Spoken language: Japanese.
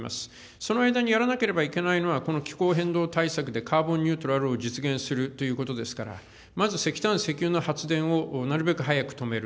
その間にやらなければいけないのは、この気候変動対策で、カーボンニュートラルを実現するということですから、まず石炭、石油の発電をなるべく早く止める。